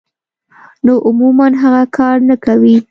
نو عموماً هغه کار نۀ کوي -